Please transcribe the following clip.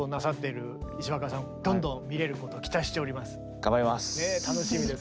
頑張ります。